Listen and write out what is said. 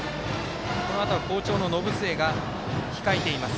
このあとは好調の延末が控えています。